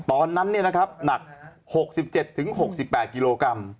ตอนนั้นเนี่ยนะครับหนัก๖๗๖๘กิโลกรัม